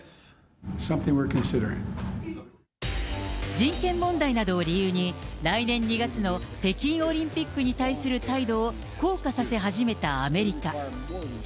人権問題などを理由に、来年２月の北京オリンピックに対する態度を硬化させ始めたアメリカ。